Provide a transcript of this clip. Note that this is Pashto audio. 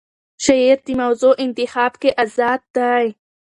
شاعر د موضوع انتخاب کې آزاد دی.